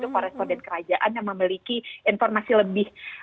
koresponden kerajaan yang memiliki informasi lebih